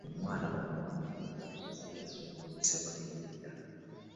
Omwana omuwala yetaaga okubera n'ebikozesebwa ebiwera.